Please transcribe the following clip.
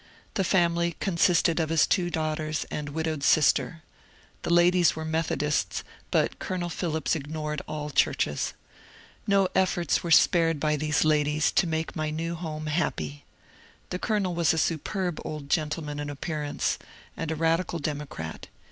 The family consisted of his two daughters and widowed sister. The ladies were Methodists, but Colonel Phillips ignored all churches. No efforts were spared by these ladies to make my new home happy. The colonel was a superb old gentleman in appearance, and a radical Democrat.